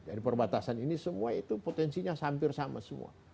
dari perbatasan ini semua itu potensinya hampir sama semua